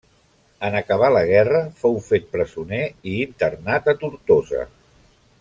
En acabar la guerra fou fet presoner i internat a Tortosa.